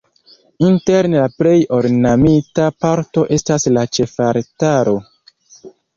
Interne la plej ornamita parto estas la ĉefaltaro.